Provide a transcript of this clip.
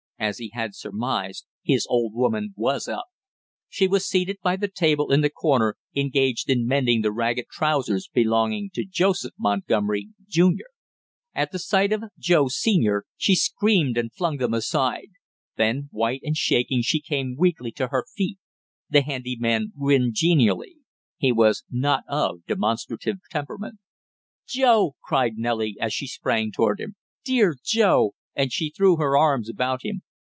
As he had surmised, his old woman was up. She was seated by the table in the corner, engaged in mending the ragged trousers belonging to Joseph Montgomery, junior. At sight of Joe, senior, she screamed and flung them aside; then white and shaking she came weakly to her feet. The handy man grinned genially. He was not of demonstrative temperament. "Joe!" cried Nellie, as she sprang toward him. "Dear Joe!" and she threw her arms about him.